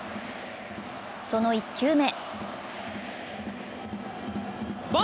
その１球目。